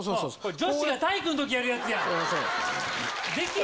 女子が体育のときやるやつやん。